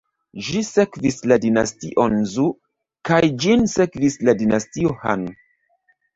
Ĝi sekvis la Dinastion Zhou, kaj ĝin sekvis la Dinastio Han.